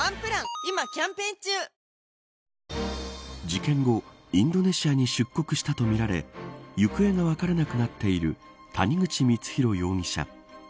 事件後インドネシアに出国したとみられ行方が分からなくなっている谷口光弘容疑者。